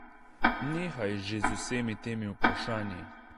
Nehaj že z vsemi temi vprašanji.